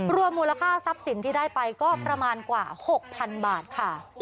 รวมมูลค่าทรัพย์สินที่ได้ไปก็ประมาณกว่า๖๐๐๐บาทค่ะ